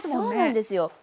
そうなんですよ。